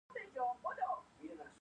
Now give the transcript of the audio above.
ځکه دا د پروګرام مهمه برخه ده.